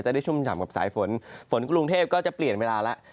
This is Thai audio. จะได้ชุ่มชามกับสายฝนกำลังนี้ฝนกรุงเทพก็จะเปลี่ยนเวลาแล้ว